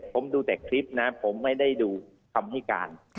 ผมดูแต่คลิปนะผมไม่ได้ดูคำให้การ